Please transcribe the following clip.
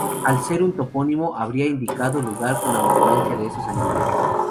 Al ser un topónimo habría indicado lugar con abundancia de esos animales.